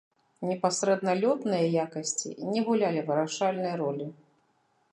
Непасрэдна лётныя якасці не гулялі вырашальнай ролі.